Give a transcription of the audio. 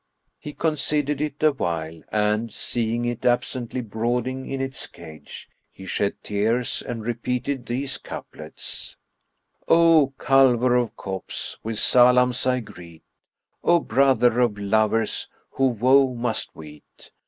He considered it awhile and, seeing it absently brooding in its cage, he shed tears and repeated these couplets, "O culver of copse,[FN#64] with salams I greet; * O brother of lovers who woe must weet!